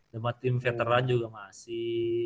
sama tim veteran juga masih